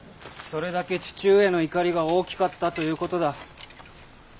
それだけ父上の怒りが大きかったということだ。